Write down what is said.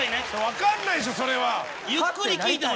分かんないでしょそれは！